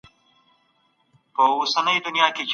تاسو به د خپلواکۍ په مانا پوهیږئ.